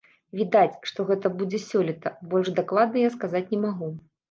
Відаць, што гэта будзе сёлета, больш дакладна я сказаць не магу.